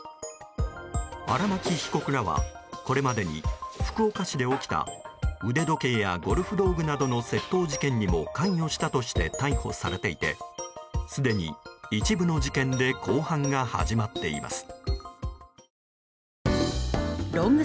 荒巻被告らはこれまでに福岡市で起きた腕時計やゴルフ道具などの窃盗事件にも関与したとして逮捕されていてすでに一部の事件で公判が始まっています。